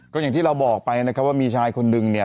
ก็อย่างที่เราบอกไปนะครับว่ามีชายคนนึงเนี่ย